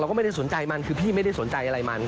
ก็ไม่ได้สนใจมันคือพี่ไม่ได้สนใจอะไรมัน